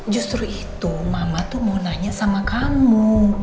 justru itu mama tuh mau nanya sama kamu